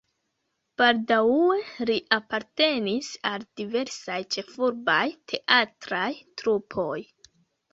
Baldaŭe li apartenis al diversaj ĉefurbaj teatraj trupoj.